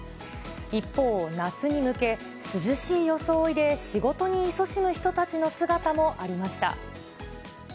一方、夏に向け、涼しい装いで仕事にいそしむ人たちの姿もありました。